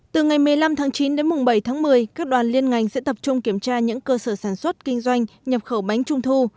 từ ngày một mươi năm tháng chín đến mùng bảy tháng một mươi các đoàn liên ngành sẽ tập trung kiểm tra những cơ sở sản xuất kinh doanh nhập khẩu bánh trung thu